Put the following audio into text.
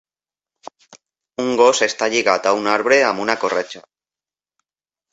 Un gos està lligat a un arbre amb una corretja.